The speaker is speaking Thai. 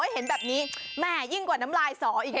แหม้ยิ่งกว่าน้ำรายสออีกนะ